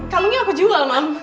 kalungnya aku jual mam